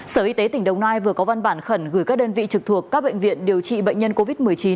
sở y tế tỉnh đồng nai vừa có văn bản khẩn gửi các đơn vị trực thuộc các bệnh viện điều trị bệnh nhân covid một mươi chín